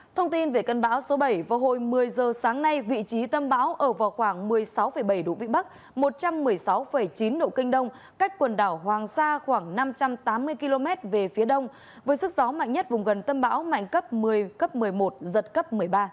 thông tin về cơn bão số bảy vào hồi một mươi giờ sáng nay vị trí tâm bão ở vào khoảng một mươi sáu bảy độ vĩ bắc một trăm một mươi sáu chín độ kinh đông cách quần đảo hoàng sa khoảng năm trăm tám mươi km về phía đông với sức gió mạnh nhất vùng gần tâm bão mạnh cấp một mươi cấp một mươi một giật cấp một mươi ba